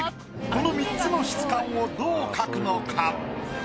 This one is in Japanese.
この３つの質感をどう描くのか？